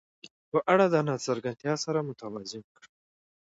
په اړه د ناڅرګندتیا سره متوازن کړه.